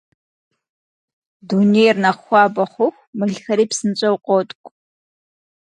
Дунейр нэхъ хуабэ хъуху, мылхэри псынщӀэу къоткӀу.